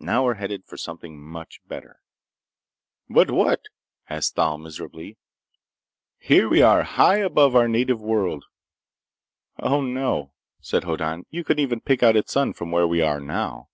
"Now we're headed for something much better." "But what?" asked Thal miserably. "Here we are high above our native world—" "Oh, no!" said Hoddan. "You couldn't even pick out its sun, from where we are now!"